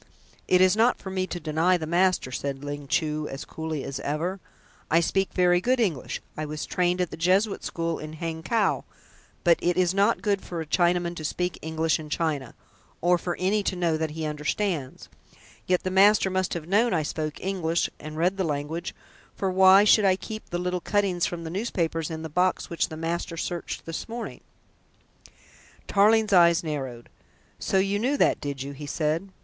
"It is not for me to deny the master," said Ling Chu as coolly as ever. "I speak very good English. I was trained at the Jesuit School in Hangkow, but it is not good for a Chinaman to speak English in China, or for any to know that he understands. Yet the master must have known I spoke English and read the language, for why should I keep the little cuttings from the newspapers in the box which the master searched this morning?" Tarling's eyes narrowed. "So you knew that, did you?" he said.